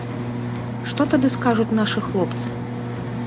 Што тады скажуць нашы хлопцы?